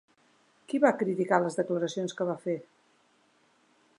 Qui va criticar les declaracions que va fer?